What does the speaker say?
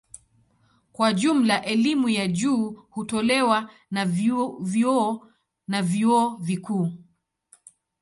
Kwa jumla elimu ya juu hutolewa na vyuo na vyuo vikuu.